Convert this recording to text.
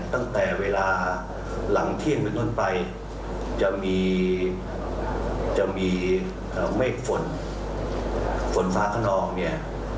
ตั้งแต่เวลาหลังเที่ยงไปต้นไปจะมีเมฆฝนฟ้าข้างนอกเนี่ย